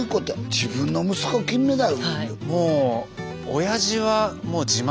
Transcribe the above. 自分の息子金メダル。